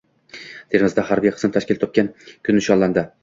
Termizda harbiy qism tashkil topgan kun nishonlandi